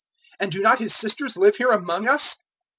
And do not his sisters live here among us?"